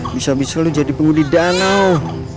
bisa bisa lu jadi pengundi danau